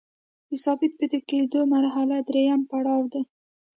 د ثابت پاتې کیدو مرحله دریم پړاو دی.